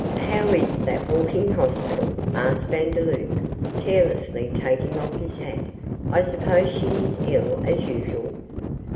'How is that walking hospital?' asked Vandeloup, carelessly taking off his hat; 'I suppose she is ill as usual.